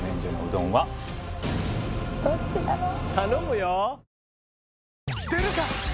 どっちだろう？